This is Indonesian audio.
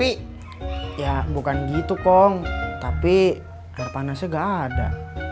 bikin kopi ya bukan gitu kong tapi air panasnya enggak ada